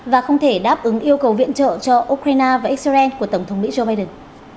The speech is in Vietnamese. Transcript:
và không thể đáp ứng yêu cầu viện trợ cho ukraine và israel của tổng thống mỹ joe biden